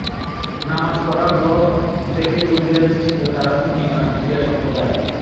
নামাজ পড়ার ধরন দেখে জঙ্গিরা নিশ্চিত হয়, তাঁরা সুন্নি নয়, শিয়া সম্প্রদায়ের।